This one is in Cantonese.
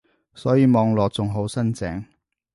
所以望落仲好新淨